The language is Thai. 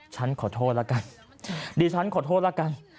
ฉันขอโทษแล้วกันดิฉันขอโทษละกัน